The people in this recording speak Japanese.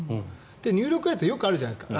入力エラーってよくあるじゃないですか。